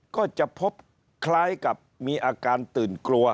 ก็จะพบคล้ายกับมีอาการตื่นกลัว